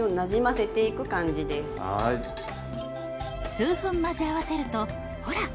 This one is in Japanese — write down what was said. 数分混ぜ合わせるとほら。